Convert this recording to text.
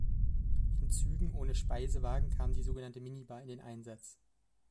In Zügen ohne Speisewagen kam die sogenannte Minibar in den Einsatz.